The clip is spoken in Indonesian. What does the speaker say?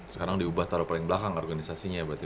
sekarang diubah taruh paling belakang organisasinya ya berarti